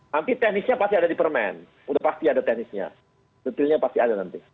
nanti teknisnya pasti ada di permen udah pasti ada teknisnya detailnya pasti ada nanti